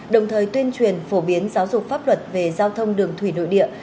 đồng thời tuyên truyền phổ biến giáo dục pháp luật về giao thông đường thủy nội địa